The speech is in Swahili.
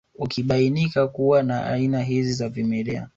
Ukibainika kuwa na aina hizi za vimelea